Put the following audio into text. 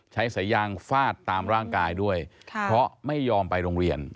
ใช้สายยางฟาดตามร่างกายด้วยเพราะไม่ยอมไปโรงเรียน